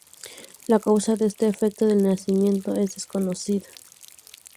La causa de este defecto del nacimiento es desconocida.